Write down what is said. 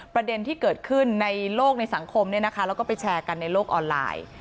ประเด็นที่เกิดขึ้นในโลกในสังคมแล้วก็ไปแชร์กันในโลกออนไลน์